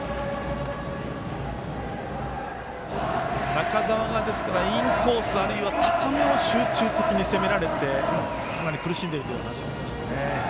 中澤がインコースあるいは高めを集中的に攻められてかなり苦しんでいるという話がありましたね。